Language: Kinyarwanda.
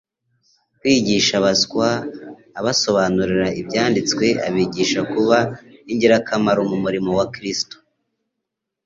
kwigisha abaswa abasobanurira Ibyanditswe abigisha kuba ingirakamaro mu murimo wa Kristo.